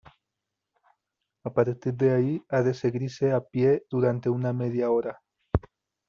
A partir de ahí, ha de seguirse a pie durante una media hora.